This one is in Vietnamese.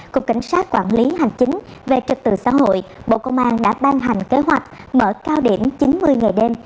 cục cảnh sát quản lý hành chính về trật tự xã hội bộ công an đã ban hành kế hoạch mở cao điểm chín mươi ngày đêm